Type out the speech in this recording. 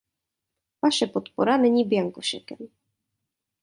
Vaše podpora není bianco šekem.